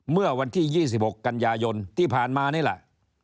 เมื่อวันที่๒๖กันยายนที่ผ่านมานี่แหละ